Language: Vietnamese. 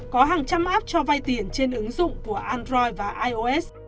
có hàng trăm app cho vay tiền trên ứng dụng của android và ios